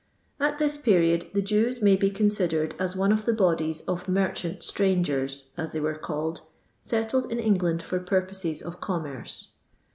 At this period the Jews mar bo considered as one of the bodies of "merchant strangers," as they were called, settled in England for purposes of commerce.